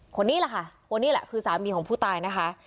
คนนี้แหละค่ะคนนี้แหละคือสามีของผู้ตายนะคะ